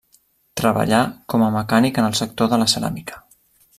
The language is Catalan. Treballà com a mecànic en el sector de la ceràmica.